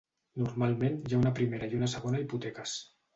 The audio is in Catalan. Normalment hi ha una primera i una segona hipoteques.